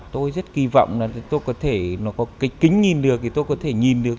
tôi rất kỳ vọng là tôi có thể nó có cái kính nhìn được thì tôi có thể nhìn được